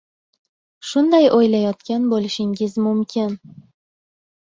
Shunday o’ylayotgan bo’lishingiz mumkin.